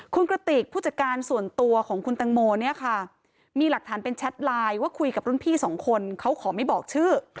คุณกระติกผู้จัดการส่วนตัวของคุณตังโมเนี่ยค่ะมีหลักฐานเป็นแชทไลน์ว่าคุยกับรุ่นพี่สองคนเขาขอไม่บอกชื่อ